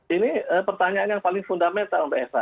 ini pertanyaan yang paling fundamental mbak eva